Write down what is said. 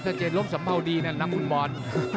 ถ้าเจนลบสัมภาวณ์ดีนะน้ำมุ่นบอล